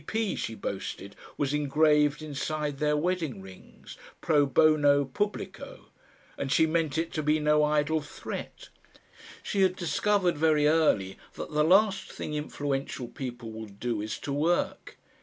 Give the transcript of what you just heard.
P. B. P., she boasted, was engraved inside their wedding rings, Pro Bono Publico, and she meant it to be no idle threat. She had discovered very early that the last thing influential people will do is to work.